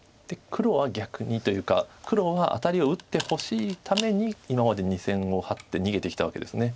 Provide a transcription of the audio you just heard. で黒は逆にというか黒はアタリを打ってほしいために今まで２線をハッて逃げてきたわけです。